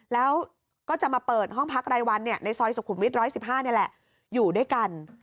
แล้วก็จะมาเปิดห้องพักรายวันในซอยสุขุมวิท๑๑๕นี่แหละอยู่ด้วยกัน